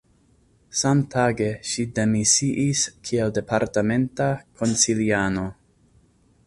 Samtage, ŝi demisiis kiel departementa konsiliano.